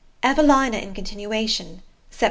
EVELINA IN CONTINUATION. Sept.